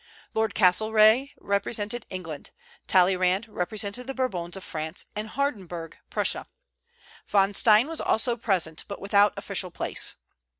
Lord Castlereagh represented England; Talleyrand represented the Bourbons of France; and Hardenberg, Prussia. Von Stein was also present, but without official place.